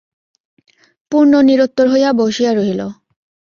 পূর্ণ নিরুত্তর হইয়া বসিয়া রহিল।